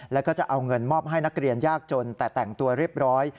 แล้วก็จะเอาเงินมอบให้นักเรียนยากจนแต่แต่งตัวเรียบร้อย